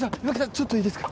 ちょっといいですか？